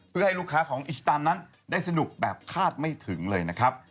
เพื่อให้ลูกค้าของอิสตานนั้นได้สนุกแบบคาดไม่ถึงเลยนะครับ